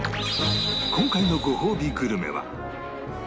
今回のごほうびグルメは